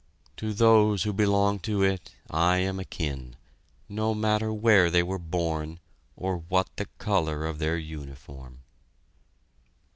To those who belong to it I am akin, no matter where they were born or what the color of their uniform!